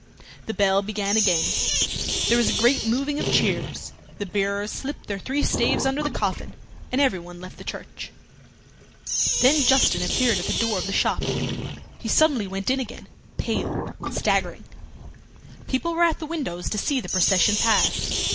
The bell began again. There was a great moving of chairs; the bearers slipped their three staves under the coffin, and everyone left the church. Then Justin appeared at the door of the shop. He suddenly went in again, pale, staggering. People were at the windows to see the procession pass.